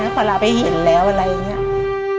พอเราไปเห็นแล้วอะไรอย่างนี้